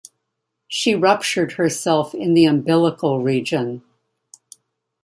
She ruptured herself in the umbilical region.